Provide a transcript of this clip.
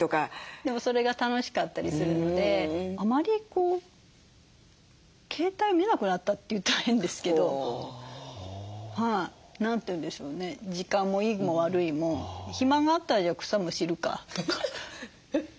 でもそれが楽しかったりするのであまり携帯見なくなったって言ったら変ですけど何て言うんでしょうね時間もいいも悪いも暇があったらじゃあ草むしるかとか。